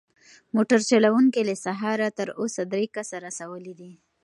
موټر چلونکی له سهاره تر اوسه درې کسه رسولي دي.